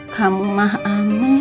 kamu mah amat